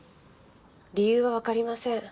理由はわかりません。